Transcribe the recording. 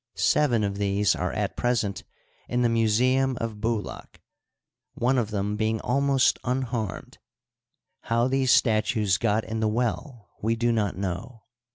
Seven of these are at present in the museum of Boulaq, one of them being almost unharmed. How these statues got in the well we do not know.